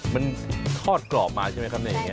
มันทอดกรอบมาใช่ไหมครับในอย่างนี้